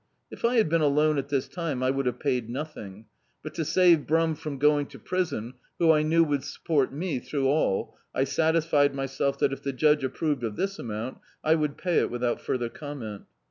If I had been alone at this time I would have paid nothing, but to save Brum from going to prison, who I knew would support me through all, I sadsfied myself that, if the judge approved of this amount, I would pay it without further comment.